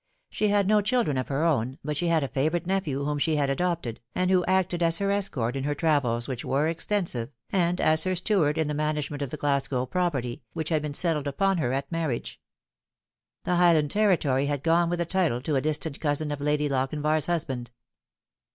She had no children of her own, but she had a favourite nephew, whom she had adopted, and who acted as her escort in her travels, which were extensive, and as her steward in the manage ment of the Glasgow property, which had been settled upon her at her marriage. The Highland territory had gone with the title to a distant cousin of Lady Lochinvar's husband.